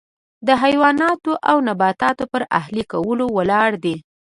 د حیواناتو او نباتاتو پر اهلي کولو ولاړ دی.